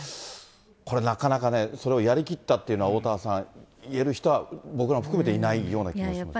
これ、なかなかね、それをやり切ったっていうのは、おおたわさん、言える人は、僕ら含めていないような気がしますね。